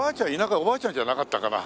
おばあちゃんじゃなかったかな？